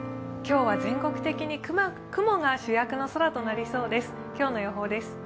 今日は全国的に雲が主役の空となりそうです。